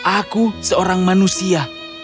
aku seorang manusia